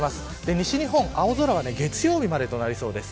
西日本、青空は月曜日までとなりそうです。